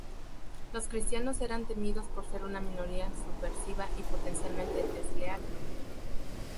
Los cristianos eran temidos por ser una minoría subversiva y potencialmente desleal.